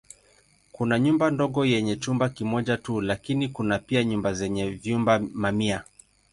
Kuna nyumba ndogo yenye chumba kimoja tu lakini kuna pia nyumba zenye vyumba mamia.